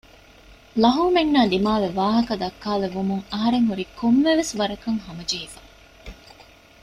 ލަހޫމެންނާ ދިމާވެ ވާހަކަދައްކާލެވުމުން އަހަރެން ހުރީ ކޮންމެސްވަރަކަށް ހަމަޖެހިފަ